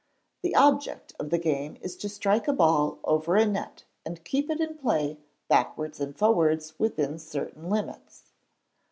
The object of the game is to strike a ball over a net and keep it in play backwards and forwards within certain limits.